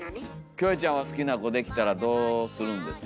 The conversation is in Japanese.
キョエちゃんは好きな子できたらどうするんですか？